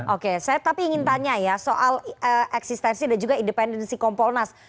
oke saya tapi ingin tanya ya soal eksistensi dan juga independensi kompolnas